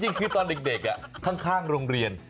จริงคือตอนเด็กข้างโรงเรียน